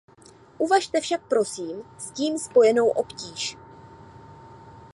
Uvažte však prosím s tím spojenou obtíž.